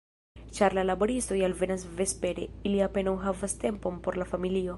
Ĉar la laboristoj alvenas vespere, ili apenaŭ havas tempon por la familio.